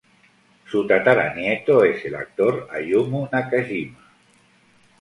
Su tataranieto es el actor Ayumu Nakajima.